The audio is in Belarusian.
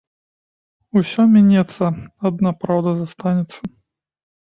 Усё мінецца, адна праўда застанецца